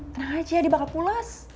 tenang aja dia bakal pulas